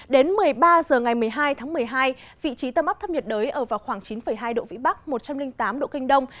đến một mươi ba h ngày một mươi hai tháng một mươi hai vị trí tâm áp thấp nhiệt đới ở vào khoảng chín hai độ vĩ bắc một trăm linh tám độ kinh đông